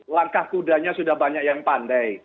langkah kudanya sudah banyak yang pandai